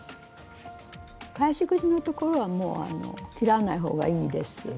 返し口のところはもう切らない方がいいです。